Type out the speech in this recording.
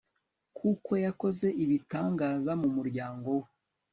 kuko yakoze ibitangaza mu muryango we